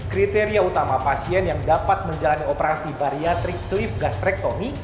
kriteria utama pasien yang dapat menjalani operasi bariatrik sleeve gastrectomy